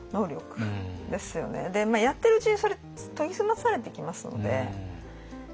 やってるうちにそれ研ぎ澄まされてきますので。